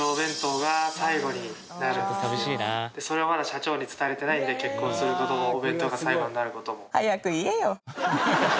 それをまだ社長に伝えられてないので結婚する事もお弁当が最後になる事も。